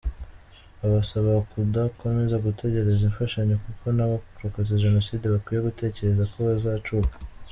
Abasaba kudakomeza gutegereza imfashanyo kuko n’abarokotse Jenoside bakwiye gutekereza ko bazacuka.